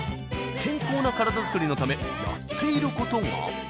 健康な体づくりのためやっていることが。